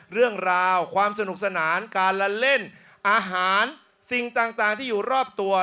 เรื่องราวความสนุกสนานการละเล่นอาหารสิ่งต่างที่อยู่รอบตัว